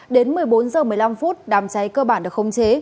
đến một mươi bốn h một mươi năm đám cháy cơ bản được không chế